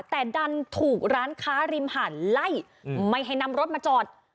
แต่ดันถูกร้านค้าริมหาดไล่ไม่ให้นำรถมาจอด